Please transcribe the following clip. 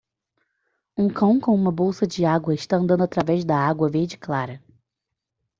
Um cão com uma bolsa de água está andando através da água verde clara.